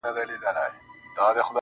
دهقان څه چي لا په خپل کلي کي خان وو؛